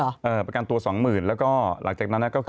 ประกันตัวสองหมื่นแล้วก็หลังจากนั้นก็คือ